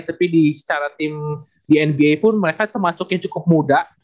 tapi secara tim di nba pun mereka termasuk yang cukup muda